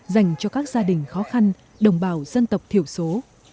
dành cho các gia đình khó khăn đồng bào dân tộc thiểu số